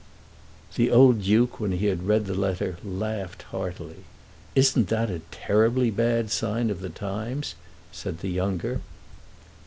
The old Duke, when he had read the letter, laughed heartily. "Isn't that a terribly bad sign of the times?" said the younger.